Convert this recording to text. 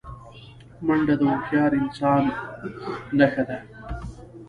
منډه د هوښیار انسان نښه ده